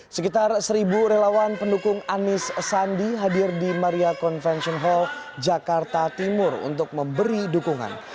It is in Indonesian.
sekitar seribu relawan pendukung anies sandi hadir di maria convention hall jakarta timur untuk memberi dukungan